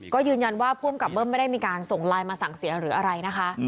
ก็ยืนยันว่าภูมิกับเบิ้มไม่ได้มีการส่งไลน์มาสั่งเสียหรืออะไรนะคะ